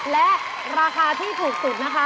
และราคาที่ถูกสุดนะคะ